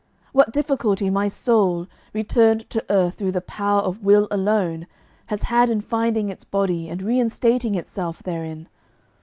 What difficulty my soul, returned to earth through the power of will alone, has had in finding its body and reinstating itself therein!